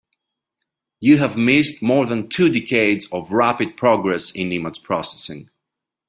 You have missed more than two decades of rapid progress in image processing.